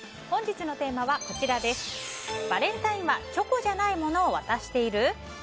本日のテーマはバレンタインはチョコじゃないものを渡している？